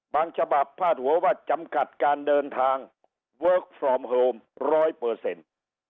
บางฉบับพาดหัวว่าจำกัดการเดินทางร้อยเปอร์เซ็นต์